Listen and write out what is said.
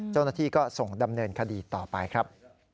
เจ้าหน้าที่ก็ส่งดำเนินคดีต่อไปครับ